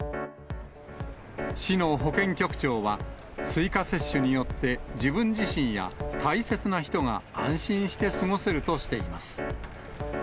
市の保健局長は、追加接種によって自分自身や大切な人が安心して過ごせるとしています。